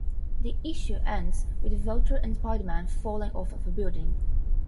The issue ends with the Vulture and Spider-Man falling off of a building.